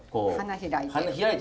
花開いて。